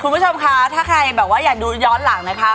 คุณผู้ชมคะถ้าใครแบบว่าอยากดูย้อนหลังนะคะ